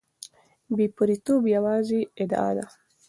بې پرېتوب یوازې ادعا ده.